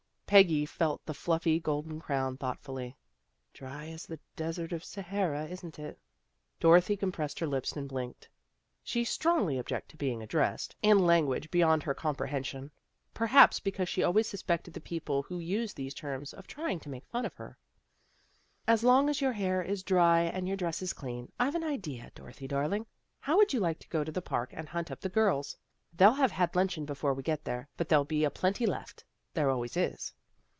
Peggy felt the fluffy golden crown thought fully. " Dry as the Desert of Sahara, isn't it?" Dorothy compressed her lips and blinked. She strongly objected to being addressed in 50 THE GIRLS OF FRIENDLY TERRACE language beyond her comprehension, perhaps because she always suspected the people who used these terms of trying to make fun of her. " And as long as your hah* is dry, and your dress is clean, I've an idea, Dorothy darling. How would you like to go to the Park and hunt up the girls? They'll have had luncheon before we get there, but there'll be a plenty left. There always is."